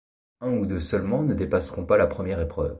Un ou deux seulement ne dépasseront pas la première épreuve.